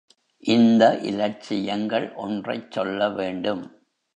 இந்த இலட்சியங்கள் ஒன்றைச் சொல்ல வேண்டும்.